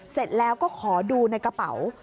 เสร็จแล้วก็ขอดูในกระเป๋า